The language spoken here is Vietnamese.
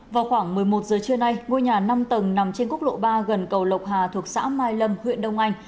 vào khoảng một mươi một giờ trưa nay ngôi nhà năm tầng nằm trên quốc lộ ba gần cầu lộc hà thuộc xã mai lâm huyện đông anh